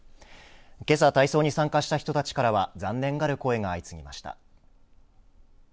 けさ、体操に参加した人たちからは残念がる声が相次ぎました。